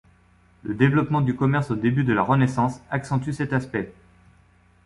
Le développement du commerce au début de la Renaissance accentue cet aspect.